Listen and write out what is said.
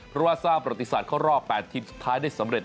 เพราะว่าสร้างประติศาสตร์เข้ารอบ๘ทีมสุดท้ายได้สำเร็จ